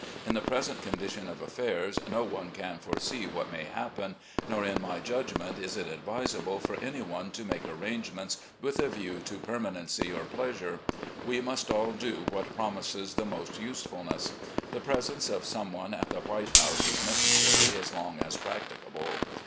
In the present condition of affairs no one can foresee what may happen, nor in my judg ment is it advisable for any one to make arrangements with a view to permanency or pleasure. We must all do what promises the most usefulness. The presence of some one at the White House is necessary as long as practicable.